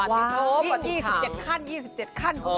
ว้าวยิ่ง๒๗ขั้น